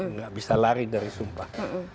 nggak bisa lari dari sumpah